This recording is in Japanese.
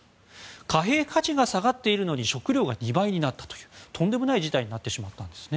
貨幣価値が下がっているのに食料が２倍になったというとんでもない事態になってしまったんですね。